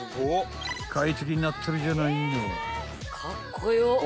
［快適になってるじゃないの］